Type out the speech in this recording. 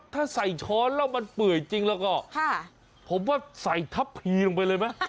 ถ้าใส่ช้อนแล้วมันเปื่อยจริงแล้วก็ผมว่าใส่ทัพพีลงไปเลยไหม